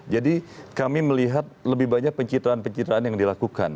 jadi kami melihat lebih banyak pencitraan pencitraan yang dilakukan ya